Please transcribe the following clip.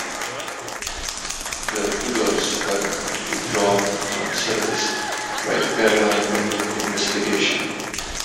The Tudors were withdrawn from service by the airline pending investigation.